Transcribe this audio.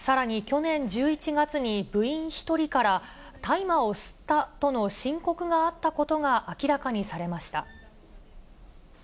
さらに、去年１１月に部員１人から、大麻を吸ったとの申告があったことが明らかにされました。